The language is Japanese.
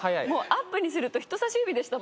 アップにすると人さし指でした。